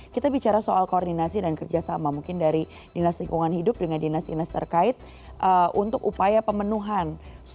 kita bicara soal koordinasi dan kerjasama mungkin dari dinas lingkungan hidup dengan dinas dinas terkait untuk upaya pemenuhan